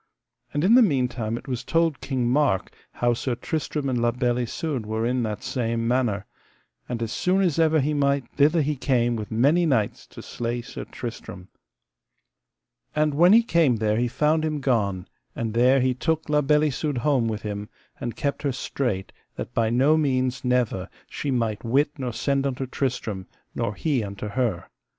And in the meantime it was told King Mark how Sir Tristram and La Beale Isoud were in that same manor, and as soon as ever he might thither he came with many knights to slay Sir Tristram. And when he came there he found him gone; and there he took La Beale Isoud home with him, and kept her strait that by no means never she might wit nor send unto Tristram, nor he unto her.